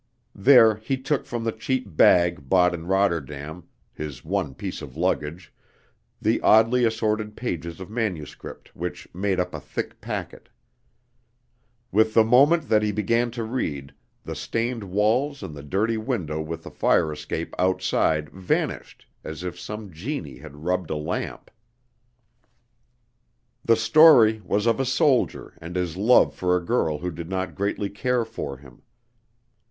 There he took from the cheap bag bought in Rotterdam his one piece of luggage the oddly assorted pages of manuscript which made up a thick packet. With the moment that he began to read, the stained walls and the dirty window with a fire escape outside vanished as if some genie had rubbed a lamp. The story was of a soldier and his love for a girl who did not greatly care for him.